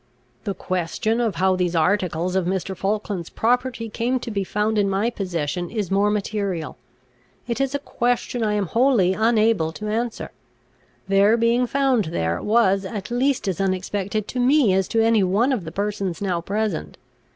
"The question of how these articles of Mr. Falkland's property came to be found in my possession, is more material. It is a question I am wholly unable to answer. Their being found there, was at least as unexpected to me as to any one of the persons now present.